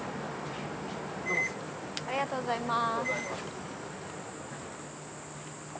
ありがとうございます。